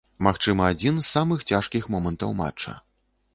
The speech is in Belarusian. Магчыма, адзін з самых цяжкіх момантаў матча.